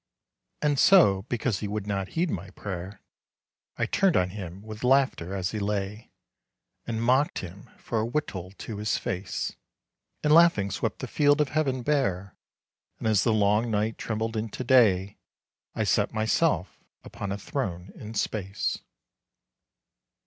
And so, because he would not heed my prayer, I turned on him with laughter as he lay, And mocked him for a wittol to his face ; And laughing swept the field of heaven bare, And as the long night trembled into day I set myself upon a throne in space.